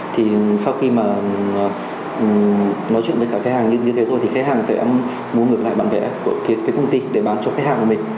thì sau khi mà nói chuyện với cả khách hàng như thế rồi thì khách hàng sẽ mua ngược lại bạn vẽ của cái công ty để bán cho khách hàng của mình